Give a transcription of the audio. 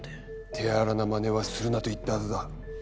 手荒なまねはするなと言ったはずだ。